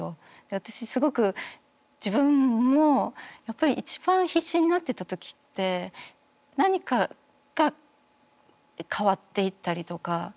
私すごく自分もやっぱり一番必死になってた時って何かが変わっていったりとか